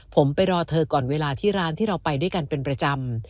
ผมไปรอเธอก่อนเวลาที่ร้านที่เราไปด้วยกันเป็นประจำ